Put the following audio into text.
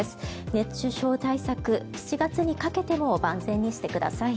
熱中症対策、７月にかけても万全にしてください。